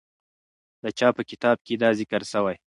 د چا په کتاب کې دا ذکر سوی؟